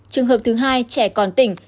trường hợp thứ hai trẻ còn tỉnh